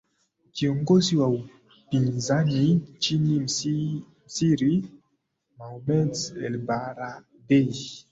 kiongozi wa upinzani nchini misri mohamed elbaradei